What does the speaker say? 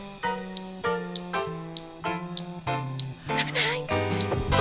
危ない！